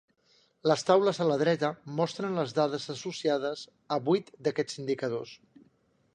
Les taules a la dreta mostren les dades associades a vuit d'aquests indicadors.